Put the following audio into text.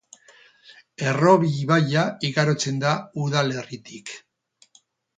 Errobi ibaia igarotzen da udalerritik.